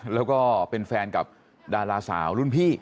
แล้วก็เป็นแฟนกับดาราสาวรุ่นพี่